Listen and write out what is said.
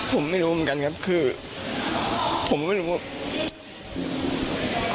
ผมไม่รู้เหมือนกันครับคือผมไม่รู้